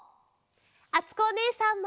あつこおねえさんも。